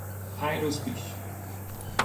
پنج روز پیش